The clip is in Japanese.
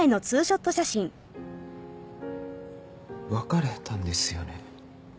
別れたんですよね？